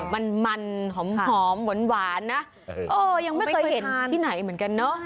มันมันหอมหวานนะยังไม่เคยเห็นที่ไหนเหมือนกันเนอะ